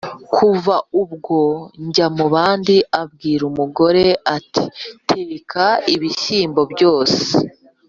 ” kuva ubwo jyamubandi abwira umugore ati “teka ibishyimbo byose